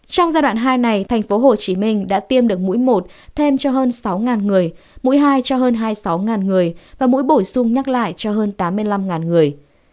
trong giai đoạn hai này tp hcm đã tiêm được mũi một thêm cho hơn sáu người mũi hai cho hơn hai mươi sáu người và mũi bổ sung nhắc lại cho hơn tám mươi năm người